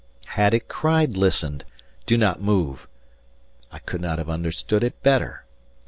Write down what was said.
Had it cried "Listen! Do not move!" I could not have understood it better.